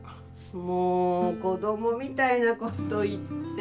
もう子供みたいなこと言って。